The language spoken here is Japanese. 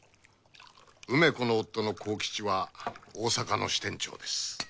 梅子の夫の幸吉は大阪の支店長です。